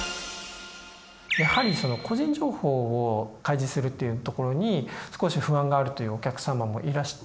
やはり個人情報を開示するっていうところに少し不安があるというお客様もいらして。